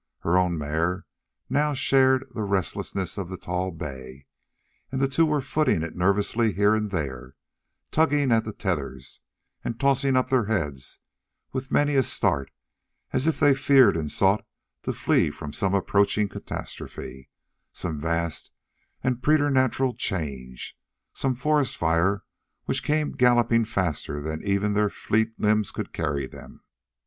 Her own mare now shared the restlessness of the tall bay, and the two were footing it nervously here and there, tugging at the tethers, and tossing up their heads, with many a start, as if they feared and sought to flee from some approaching catastrophe some vast and preternatural change some forest fire which came galloping faster than even their fleet limbs could carry them.